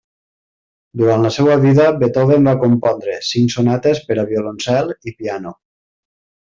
Durant la seva vida Beethoven va compondre cinc sonates per a violoncel i piano.